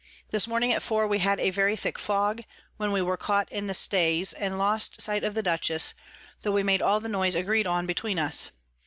This morning at four we had a very thick Fog, when we were caught in Stays, and lost sight of the Dutchess, tho we made all the noise agreed on between us.